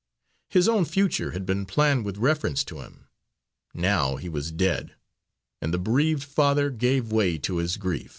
His own future had been planned with reference to him. Now he was dead, and the bereaved father gave way to his grief.